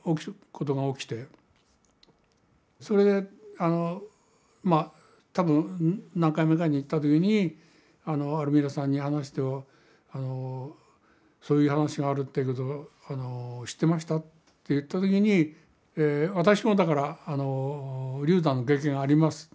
それであのまあ多分何回目かに行った時にあのアルミラさんに話すと「そういう話があるということを知ってました？」って言った時に私もだから流産の経験がありますということを言ったんですね。